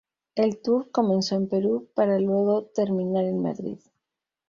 El tour comenzó en Perú para luego terminar en Madrid.